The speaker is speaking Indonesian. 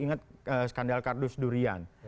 ada skandal kardus durian